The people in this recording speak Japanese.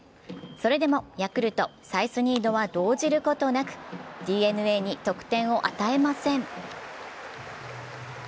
それでもヤクルト、サイ・スニードは動じることなく、ＤｅＮＡに得点を与えません。